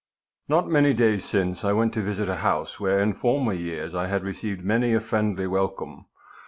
Not many days since I went to visit a house where in former years I had received many a friendly welcome.